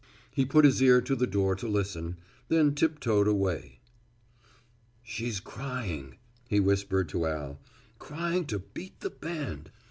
He put his ear to the door to listen, then tip toed away. "She's crying," he whispered to Al, "crying to beat the band.